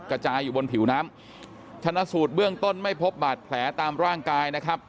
กระจายอยู่บนผิวน้ำชนะสูตรเบื้องต้นไม่พบบาดแผลตามร่างกายนะครับ